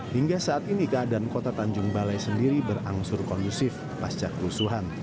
hingga saat ini keadaan kota tanjung balai sendiri berangsur kondusif pasca kerusuhan